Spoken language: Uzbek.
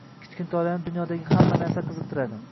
Kichkintoylarni dunyodagi hamma narsa qiziqtiradi